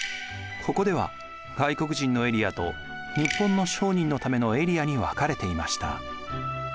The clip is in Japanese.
ここでは外国人のエリアと日本の商人のためのエリアに分かれていました。